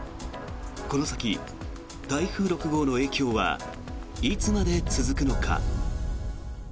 この先、台風６号の影響はいつまで続くのか。